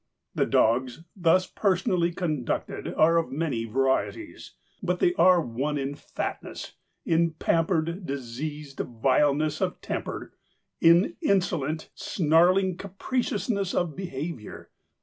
The dogs thus personally conducted are of many varieties; but they are one in fatness, in pampered, diseased vileness of temper, in insolent, snarling capriciousness of behaviour.